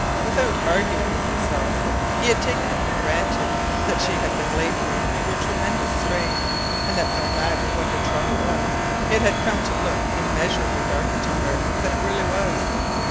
Without arguing with himself he had taken it for granted that she had been labouring under a tremendous strain, and that no matter what her trouble was it had come to look immeasurably darker to her than it really was.